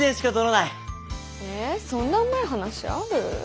えそんなうまい話ある？